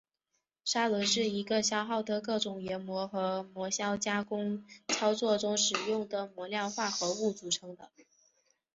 砂轮是一个消耗的各种研磨和磨削加工操作中使用的磨料化合物组成的。